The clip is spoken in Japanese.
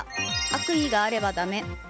悪意があればだめ。